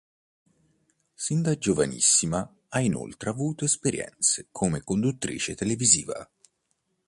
Sin da giovanissima ha inoltre avuto esperienze come conduttrice televisiva.